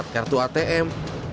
empat kartu atm